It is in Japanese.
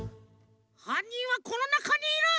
はんにんはこのなかにいる！